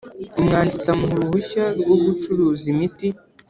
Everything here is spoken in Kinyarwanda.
Umwanditsi amuha uruhushya rwo gucuruza imiti